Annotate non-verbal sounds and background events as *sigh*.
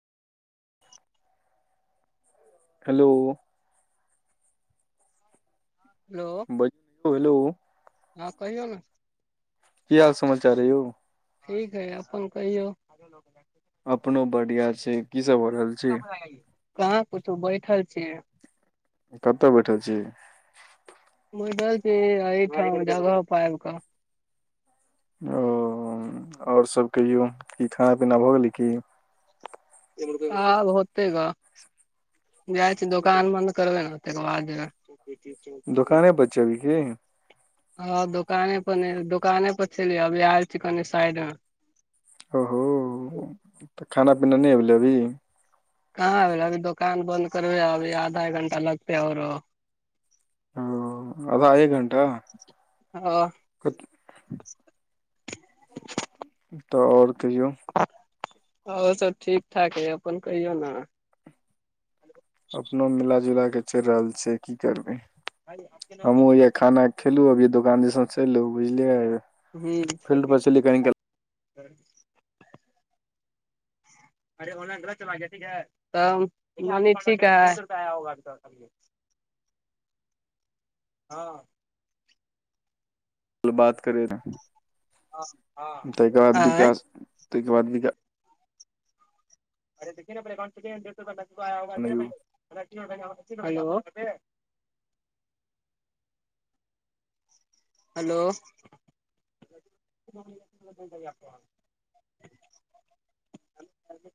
hello hello hello हँ कहियौ ने की हाल समाचार यौ ठीक हइ अपन कहियौ अपनो बढ़िया छै की सब हो रहल छै *inaudible* कहाँ कुछो बैठल छियै कतय बैठल छी बैठल छी एही ठाम जगह पर आबि कऽ ओ और सब कहियो क खाना पीना भऽ गेलै की आब होतय ग जाइ छिये दोकान बन्द करबै तहिके बद जेबै दुकाने पर छिये अभि की हँ दोकाने पर नै दोकान पर से अभी आयल छी कनि साइड मे ओ हो त खाना पीना नहि भेलै अभी कहाँ अभी दुकान बन्द करब अभी आधा एक घंटा लगतै आओरो ओ आधा एक घंटा हँ त आओर कहियो और सब ठीक ठाक य अपन कहियौ न अपनो मिलाजुला के चलि रहल छिय की करबै हमहुँ हिन खाना खेलु अभी दोकान दिसन सँ एलु बुझलियै फील्ड पर छलियै कनि ह्म *inaudible* तब मम्मी ठीकै हैय हँ बात करे न ताहिके बाद आँय विकास ताहिके बाद हेलो हेलो